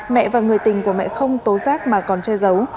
mẹ và người tình của mẹ không tố giác mà còn che giấu